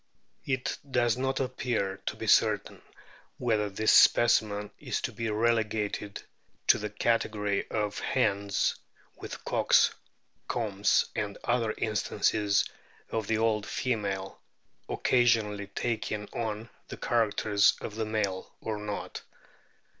It does not appear to be certain whether this specimen is to be relegated to the category of hens with cock's combs, and other instances of the old female occasionally taking on the characters of the male, or not.